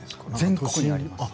全国にあります。